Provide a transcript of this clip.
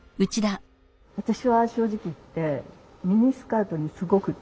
私は正直言ってミニスカートにすごく抵抗がありました。